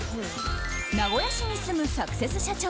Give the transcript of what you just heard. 名古屋市に住むサクセス社長